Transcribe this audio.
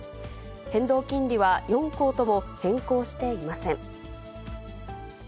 変動金利は４行とも変更していません。